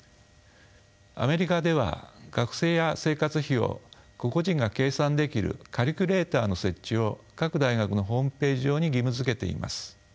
アメリカでは学生や生活費を個々人が計算できるカリキュレーターの設置を各大学のホームページ上に義務づけています。